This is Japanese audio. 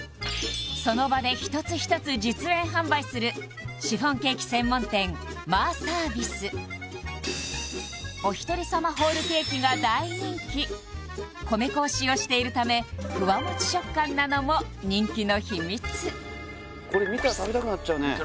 その場で一つ一つ実演販売するおひとり様ホールケーキが大人気米粉を使用しているためふわもち食感なのも人気の秘密見たら食べたくなっちゃう？